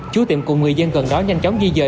chú tiệm cùng người dân gần đó nhanh chóng di dời